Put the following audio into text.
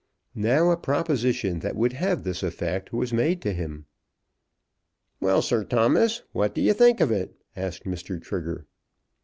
Now a proposition that would have this effect was made to him. "Well, Sir Thomas, what do you think of it?" asked Mr. Trigger.